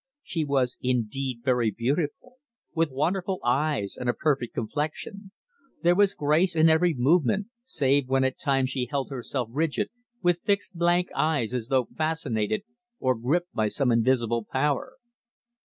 She was indeed very beautiful, with wonderful eyes and a perfect complexion. There was grace in every movement, save when at times she held herself rigid, with fixed blank eyes as though fascinated, or gripped by some invisible power.